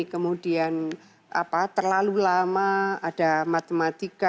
kemudian terlalu lama ada matematika